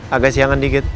agak siangan dikit